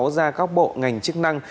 ra các bộ ngành chức năng